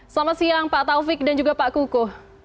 selamat siang pak taufik dan juga pak kuku